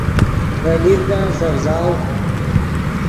ڤے لیڤدن سڤزاؤ